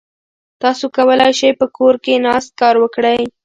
تاسو کولای شئ په کور کې ناست کار وکړئ.